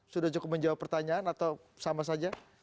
sudah cukup menjawab pertanyaan atau sama saja